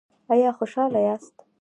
ایا خوشحاله یاست؟